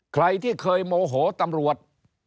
ใครที่เคยโมโหตำรวจ